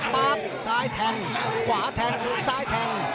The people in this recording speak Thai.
ป๊าบซ้ายแทงขวาแทงซ้ายแทง